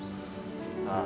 ああ。